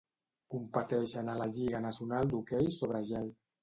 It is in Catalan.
Competeixen a la lliga nacional d'hoquei sobre gel.